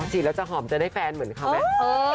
ฉีดแล้วจะหอมจะได้แฟนเหมือนเขาไหม